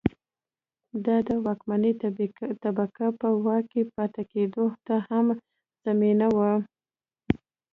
دا د واکمنې طبقې په واک کې پاتې کېدو ته هم زمینه وه.